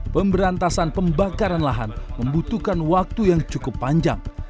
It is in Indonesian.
pemberantasan pembakaran lahan membutuhkan waktu yang cukup panjang